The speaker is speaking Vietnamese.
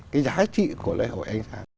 cái giá trị của lễ hội ánh sáng